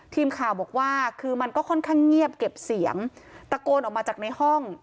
ทีมข่าวบอกว่าคือมันก็ค่อนข้างเงียบเก็บเสียงตะโกนออกมาจากในห้อง